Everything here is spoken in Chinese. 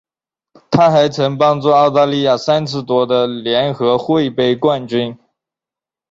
她还曾帮助澳大利亚三次夺得联合会杯冠军。